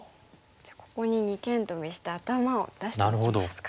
じゃあここに二間トビして頭を出していきますか。